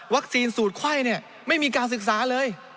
วัคซีนสูตรไข้เนี้ยไม่มีการศึกษาเลย